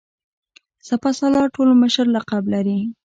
سپه سالار ټول مشر لقب لري.